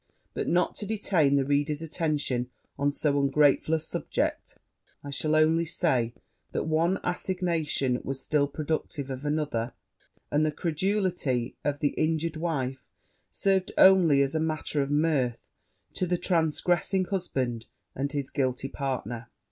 But, not to detain the reader's attention on so ungrateful a subject, I shall only say, that one assignation was still productive of another; and the credulity of the injured wife served only as a matter of mirth to the transgressing husband and his guilty partner.